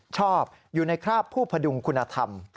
ชอบอยู่ในคราบผู้พดุงคุณธรรม